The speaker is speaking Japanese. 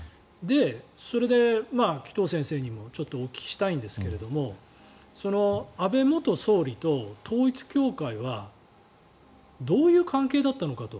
それで紀藤先生にもお聞きしたいんですけれども安倍元総理と統一教会はどういう関係だったのかと。